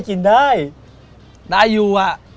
กินอยู่อ่ะ